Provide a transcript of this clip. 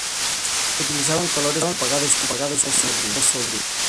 Utilizaban colores apagados con motivos sobrios.